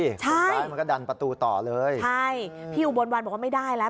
สุดท้ายมันก็ดันประตูต่อเลยใช่พี่อุบลวันบอกว่าไม่ได้แล้ว